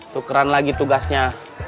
tukeran lagi tugasnya